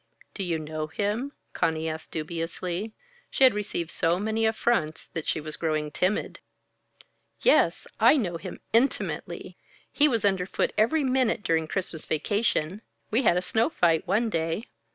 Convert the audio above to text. "Do you know him?" Conny asked dubiously. She had received so many affronts that she was growing timid. "Yes! I know him intimately. He was under foot every minute during the Christmas vacation. We had a snow fight one day.